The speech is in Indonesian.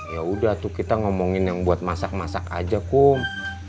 ya udah tuh kita ngomongin yang buat masak masak aja kum